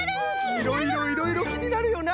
いろいろいろいろきになるよな！